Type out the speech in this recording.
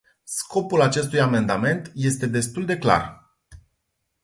Scopul acestui amendament este destul de clar.